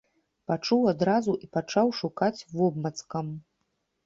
Пачуў адразу і пачаў шукаць вобмацкам.